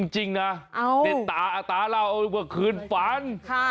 จริงนะแต่ตาเล่าว่าคืนฝัน